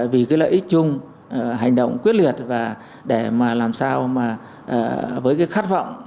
vì cái lợi ích chung hành động quyết liệt và để mà làm sao mà với cái khát vọng